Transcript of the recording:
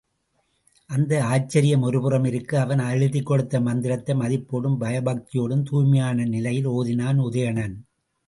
அந்த ஆச்சரியம் ஒருபுறம் இருக்க, அவன் எழுதிக் கொடுத்த மந்திரத்தை மதிப்போடும் பயபக்தியோடும் தூய்மையான நிலையில் ஓதினான் உதயணன்.